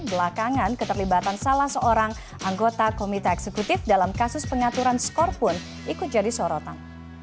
belakangan keterlibatan salah seorang anggota komite eksekutif dalam kasus pengaturan skor pun ikut jadi sorotan